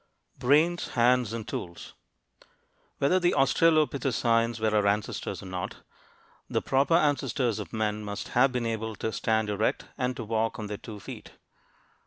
BRAINS, HANDS, AND TOOLS Whether the australopithecines were our ancestors or not, the proper ancestors of men must have been able to stand erect and to walk on their two feet.